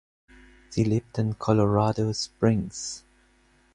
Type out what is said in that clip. Sie lebt in Colorado Springs.